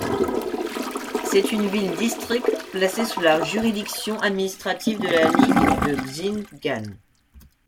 C'est une ville-district placée sous la juridiction administrative de la ligue de Xing'an.